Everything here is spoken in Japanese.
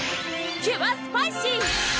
キュアスパイシー！